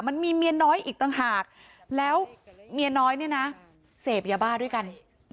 มันมีเมียน้อยอีกต่างหากแล้วเมียน้อยเนี่ยนะเสพยาบ้าด้วยกัน